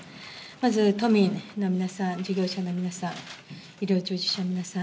まず都民の皆さん、事業者の皆さん医療従事者の皆さん